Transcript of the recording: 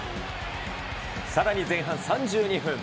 さらに前半３２分。